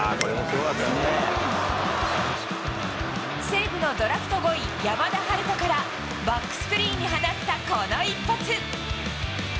西武のドラフト５位、山田陽翔から、バックスクリーンに放ったこの一発。